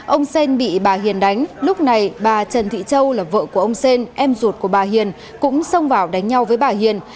ông xên bị bà hiền đánh lúc này bà trần thị châu là vợ của ông xên em ruột của bà hiền cũng xông vào đánh nhau với bà hiền